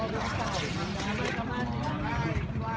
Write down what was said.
นู้ใส่พิมพ์สีขาว